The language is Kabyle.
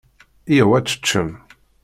Yya-w ad teččem.